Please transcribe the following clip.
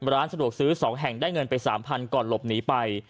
ร้านสะดวกซื้อ๒แห่งได้เงินไป๓๐๐ก่อนหลบหนีไป